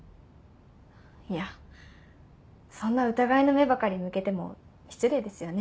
いやそんな疑いの目ばかり向けても失礼ですよね